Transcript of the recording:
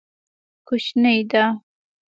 کوچنی ده.